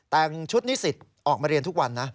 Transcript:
แต่งชุดนิสิตออกมาเรียนทุกวันนะ